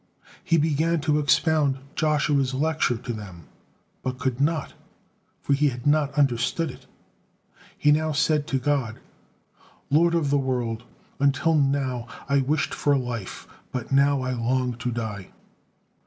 He began to expound Joshua's lecture to them, but could not, for he had not understood it. He now said to God: "Lord of the world! Until not I wished for life, but now I long to die.